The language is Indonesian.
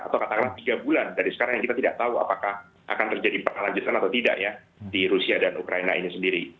atau katakanlah tiga bulan dari sekarang yang kita tidak tahu apakah akan terjadi pernah lanjutkan atau tidak ya di rusia dan ukraina ini sendiri